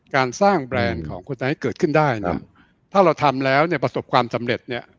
การสร้างแบรนด์ของคนไหนเกิดขึ้นได้ถ้าเราทำแล้วประสบความสำเร็จ